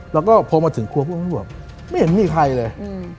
แล้วก็พอมาถึงครัวพวกตำรวจไม่เห็นมีใครเลย